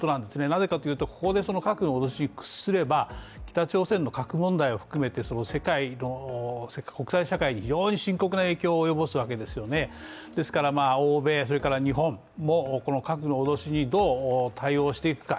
なぜかというと、ここで核の脅しに屈すれば北朝鮮の核問題も含めて世界の国際社会に非常に深刻な影響を及ぼすわけで欧米、それから日本も核の脅しにどう対応していくか。